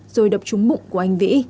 rồi đập trúng bụng của anh vĩ